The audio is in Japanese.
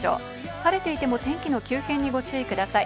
晴れていても天気の急変にご注意ください。